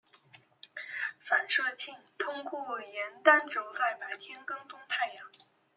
反射镜通过沿单轴在白天跟踪太阳。